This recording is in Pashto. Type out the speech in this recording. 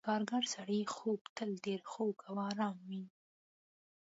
د کارګر سړي خوب تل ډېر خوږ او آرام وي.